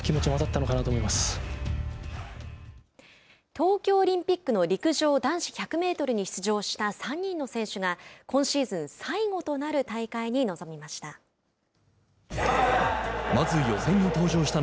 東京オリンピックの陸上男子１００メートルに出場した３人の選手が今シーズン最後となる大会に臨みました。